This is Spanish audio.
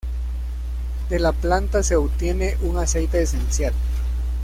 De la planta se obtiene un aceite esencial.